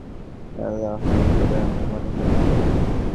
বেলা হলে তবেই আমার মনে হয় সকাল হলো।